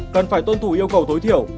cần phải tôn thủ yêu cầu thối thiểu